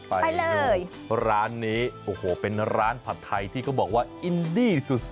ไปไปเลยร้านนี้โอ้โหเป็นร้านผัดไทยที่เขาบอกว่าอินดี้สุด